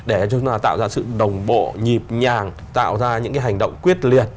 để chúng ta tạo ra sự đồng bộ nhịp nhàng tạo ra những cái hành động quyết liệt